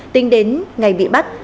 tính đến ngày bị bắt